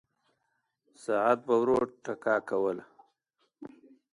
ساعت به ورو ټکا کوله.